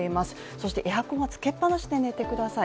そしてエアコンはつけっぱなしで寝てください。